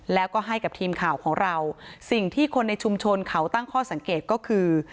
แล้วก็ให้กับทีมข่าวของเราสิ่งที่คนในชุมชนเขาตั้งข้อสังเกตก็คือ